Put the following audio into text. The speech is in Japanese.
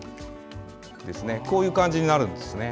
こういう感じになるんです。